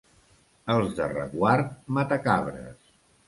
Els de Reguard, matacabres.